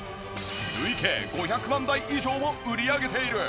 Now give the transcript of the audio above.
累計５００万台以上を売り上げている。